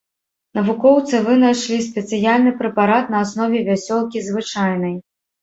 Навукоўцы вынайшлі спецыяльны прэпарат на аснове вясёлкі звычайнай.